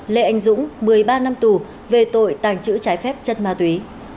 lê anh dũng một mươi ba năm tù về tội tàng trữ trái phép chất ma túy